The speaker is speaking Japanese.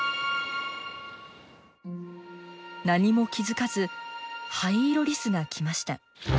何も気付かずハイイロリスが来ました。